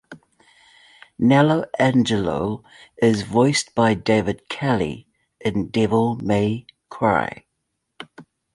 Nelo Angelo is voiced by David Kelley in "Devil May Cry".